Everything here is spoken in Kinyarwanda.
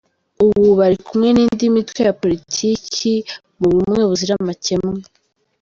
Ubu bari kumwe n’indi mitwe ya politiki mu bumwe buzira amakemwa.